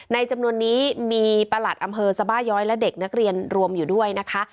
จำนวนนี้มีประหลัดอำเภอสบาย้อยและเด็กนักเรียนรวมอยู่ด้วยนะคะ